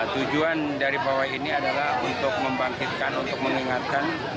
tujuan dari pawai ini adalah untuk membangkitkan untuk mengingatkan